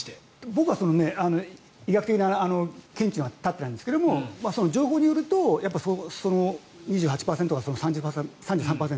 僕は医学的な見地には立ってないんですが情報によると２８％から３３％